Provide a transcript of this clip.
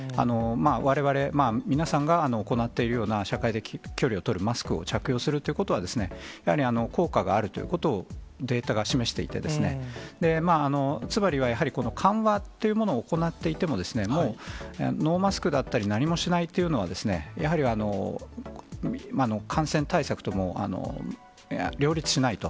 われわれ、皆さんが行っているような社会的距離を取る、マスクを着用するということは、やはり効果があるということを、データが示していて、つまりはやはりこの緩和というものを行っていても、もうノーマスクだったり、何もしないというのは、やはり感染対策とも両立しないと。